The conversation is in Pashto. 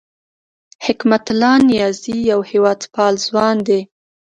حکمت الله نیازی یو هېواد پال ځوان دی